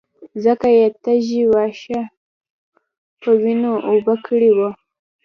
ځکه يې تږي واښه په وينو اوبه کړي وو.